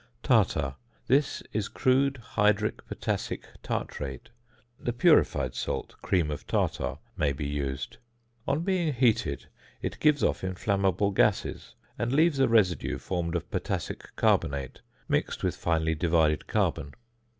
~Tartar.~ This is crude hydric potassic tartrate; the purified salt, cream of tartar, may be used. On being heated it gives off inflammable gases, and leaves a residue formed of potassic carbonate mixed with finely divided carbon.